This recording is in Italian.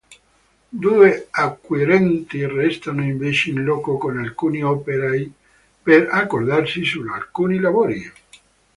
Due acquirenti restano invece in loco con alcuni operai per accordarsi su alcuni lavori.